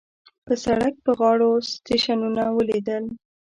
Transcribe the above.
په سړک په غاړو سټیشنونه وليدل.